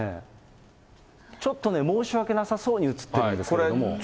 ちょっとね、申し訳なさそうに写ってるんですけれども。